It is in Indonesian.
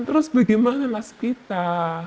terus bagaimana nasib kita